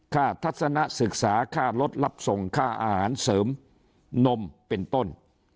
ทัศนะศึกษาค่ารถรับส่งค่าอาหารเสริมนมเป็นต้น